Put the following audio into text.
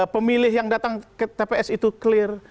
pemilih yang datang ke tps itu clear